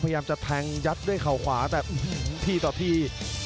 พยายามจะแทงยัดด้วยเข่าขวาแบบทีต่อที